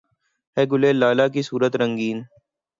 ہیں گل لالہ کی صورت رنگیں